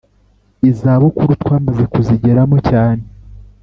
izabukuru twamaze kuzigeramo cyane